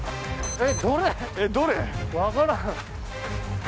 えっどれ？